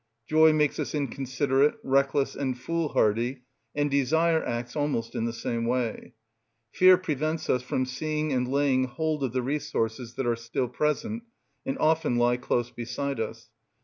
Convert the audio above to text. Joy makes us inconsiderate, reckless, and foolhardy, and desire acts almost in the same way. Fear prevents us from seeing and laying hold of the resources that are still present, and often lie close beside us.